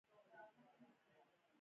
د پیتالوژي علم د ناروغیو رازونه خلاصوي.